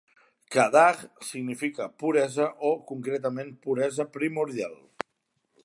"Kadag" significa "puresa" o, concretament, "puresa primordial".